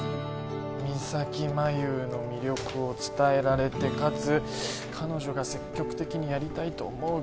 三咲麻有の魅力を伝えられてかつ彼女が積極的にやりたいと思う